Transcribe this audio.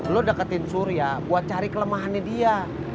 lo deketin surya buat cari kelemahannya dia